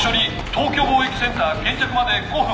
東京貿易センター現着まで５分。